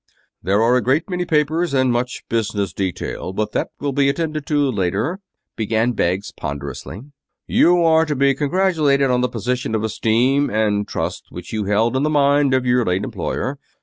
"There are a great many papers and much business detail, but that will be attended to later," began Beggs ponderously. "You are to be congratulated on the position of esteem and trust which you held in the mind of your late employer.